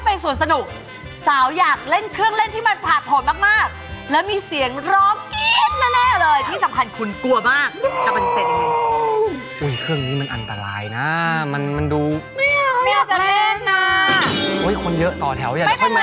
อันไหนที่กลัวผมเล่นซ้ำจนกว่าจะไม่กลัว